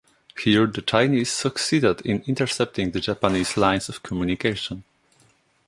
Here the Chinese succeeded in intercepting the Japanese lines of communication.